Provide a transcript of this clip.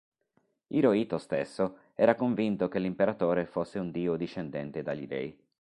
Hirohito stesso era convinto che l'imperatore fosse un dio discendente dagli dei.